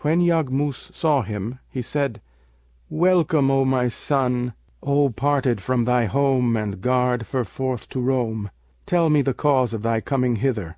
When Yaghmus saw him, he said, 'Welcome, O my son, O parted from thy home and garred ferforth to roam! Tell me the cause of thy coming hither.'